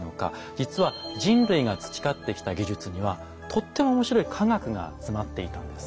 実は人類が培ってきた技術にはとっても面白い科学が詰まっていたんです。